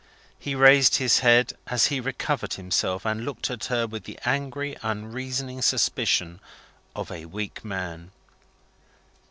He raised his head as he recovered himself, and looked at her with the angry unreasoning suspicion of a weak man.